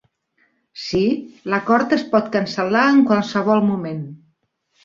Sí, l'acord es pot cancel·lar en qualsevol moment.